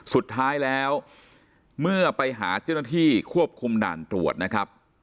สุดท้ายแล้วเมื่อไปหาเจ้าหน้าที่ควบคุมด่านตรวจนะครับ